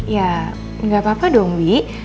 ya nggak apa apa dong wi